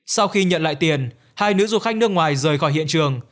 sau khi nhận lại tiền hai nữ du khách nước ngoài rời khỏi hiện trường